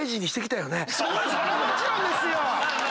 それはもちろんですよ！